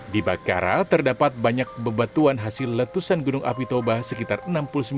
di bakara terdapat banyak bebatuan hasil letusan gunung apitoba sekitar enam puluh sembilan sampai tujuh puluh lima ribu tahun yang lalu